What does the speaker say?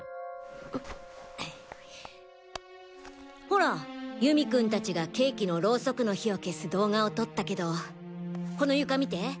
ホラ祐美君たちがケーキのロウソクの火を消す動画を撮ったけどこの床みて！